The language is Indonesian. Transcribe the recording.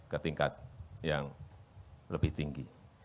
ke tingkat yang lebih tinggi